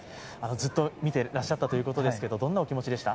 ずっと見ていらっしゃったということですが、どんなお気持ちでした？